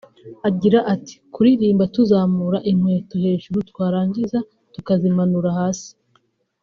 Agira ati “Kuririmba tuzamura inkweto hejuru twarangiza tukazimanura hasi